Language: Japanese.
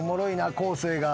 昴生が。